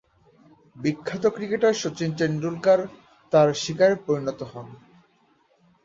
বিখ্যাত ক্রিকেটার শচীন তেন্ডুলকর তার শিকারে পরিণত হন।